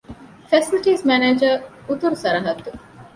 ފެސިލިޓީސް މެނޭޖަރ - އުތުރު ސަރަހައްދު